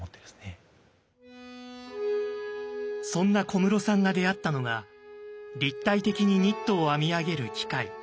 そんな小室さんが出会ったのが立体的にニットを編みあげる機械。